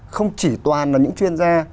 không chỉ toàn là những chuyên gia